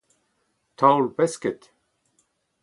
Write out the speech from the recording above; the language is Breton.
Taol-pesked